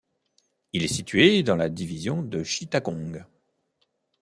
Il est situé dans la division de Chittagong.